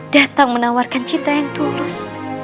datang menawarkan cinta yang tulus